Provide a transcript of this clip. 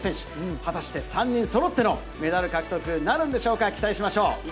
果たして３人そろってのメダル獲得、なるんでしょうか、期待しましょう。